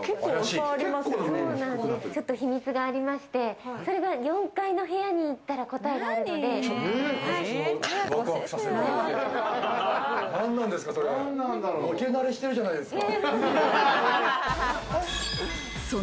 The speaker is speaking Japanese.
ちょっと秘密がありまして、それが４階の部屋に行ったら答えがあるので。